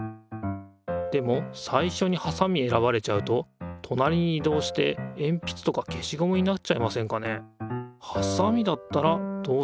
でもさいしょにはさみ選ばれちゃうととなりに移動してえんぴつとか消しゴムになっちゃいませんかね？